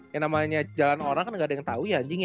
yang namanya jalan orang kan gak ada yang tau ya anjing ya